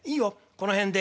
この辺で。